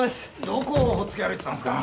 どこをほっつき歩いてたんですか？